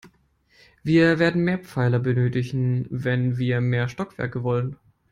Wir werden mehr Pfeiler benötigen, wenn wir mehr Stockwerke wollen.